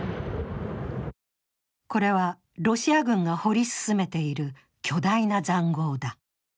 これはロシア軍が掘り進めている巨大な塹壕だ。